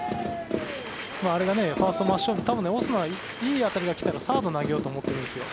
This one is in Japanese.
あれがファースト真正面多分、オスナはいい当たりが来たらサードに投げようと思ってるんですよ。